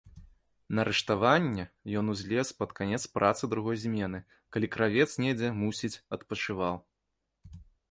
На рыштаванне ён узлез пад канец працы другой змены, калі кравец недзе, мусіць, адпачываў.